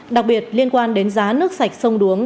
đặc biệt liên quan đến giá nước sạch sông đuống